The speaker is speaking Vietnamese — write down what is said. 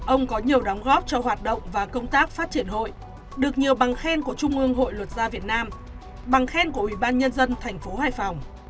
ông có nhiều đóng góp cho hoạt động và công tác phát triển hội được nhiều bằng khen của trung ương hội luật gia việt nam bằng khen của ủy ban nhân dân thành phố hải phòng